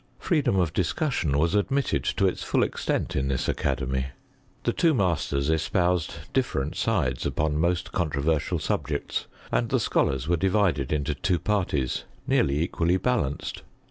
Freedom of discussion was admitted to its full extent in this academy. The two masters espoused different sides upon mo«t controversial subjects, and the scholars were divided into two parties, nearly equally balanced.